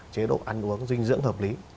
chế độ ăn uống dinh dưỡng hợp lý